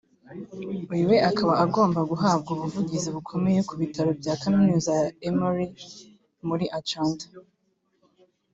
uyu we akaba agomba guhabwa ubuvuzi bukomeye ku bitaro bya Kaminuza ya Emory muri Atlanta